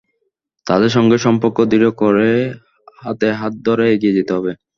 তাঁদের সঙ্গে সম্পর্ক দৃঢ় করে হাতে হাত ধরে এগিয়ে যেতে হবে।